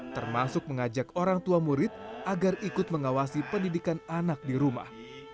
termasuk mengajak orang tua murid agar ikut mengawasi pendidikan anak di rumah